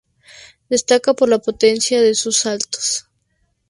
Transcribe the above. Destaca por la potencia de sus saltos.